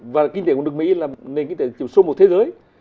và kinh tế của nước mỹ là nền kinh tế số một thế giới